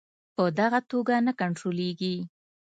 په دغه توګه نه کنټرولیږي.